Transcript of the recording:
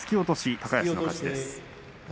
高安の勝ちです。